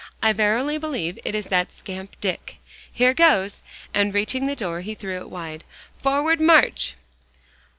I verily believe it is that scamp Dick. Here goes!" and reaching the door he threw it wide. "Forward, march!"